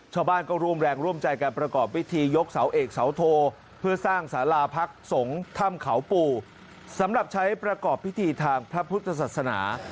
ชาวบ้านก็ร่วมแรงร่วมใจการประกอบพิธียกเสาเอกเสาโทเพื่อสร้างสาราพักสงฆ์ถ้ำเขาปู่สำหรับใช้ประกอบพิธีทางพระพุทธศาสนา